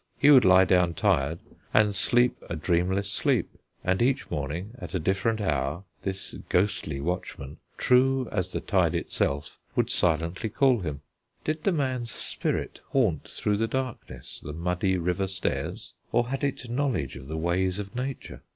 He would lie down tired, and sleep a dreamless sleep, and each morning at a different hour this ghostly watchman, true as the tide itself, would silently call him. Did the man's spirit haunt through the darkness the muddy river stairs; or had it knowledge of the ways of Nature?